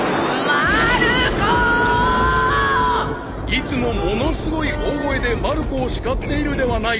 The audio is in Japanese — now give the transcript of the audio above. ［いつもものすごい大声でまる子を叱っているではないか］